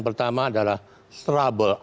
pertama adalah trouble